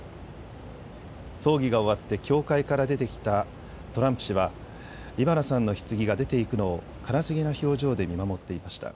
葬儀が終わって教会から出てきたトランプ氏はイバナさんのひつぎが出て行くのを悲しげな表情で見守っていました。